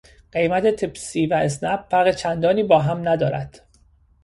قیمت تپسی و اسنپ فرق چندانی با هم ندارد.